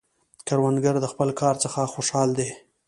کروندګر د خپل کار څخه خوشحال دی